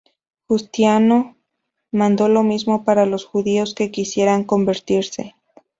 Justiniano mandó lo mismo para los judíos que quisieran convertirse.